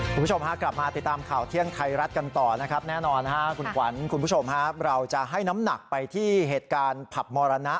คุณผู้ชมฮะกลับมาติดตามข่าวเที่ยงไทยรัฐกันต่อนะครับแน่นอนฮะคุณขวัญคุณผู้ชมครับเราจะให้น้ำหนักไปที่เหตุการณ์ผับมรณะ